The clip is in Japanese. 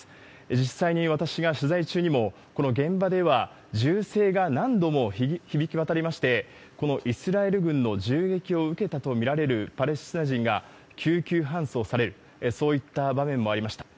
実際に私が取材中にも、この現場では、銃声が何度も響き渡りまして、このイスラエル軍の銃撃を受けたと見られるパレスチナ人が救急搬送される、そういった場面もありました。